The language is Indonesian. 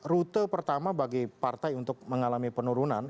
rute pertama bagi partai untuk mengalami penurunan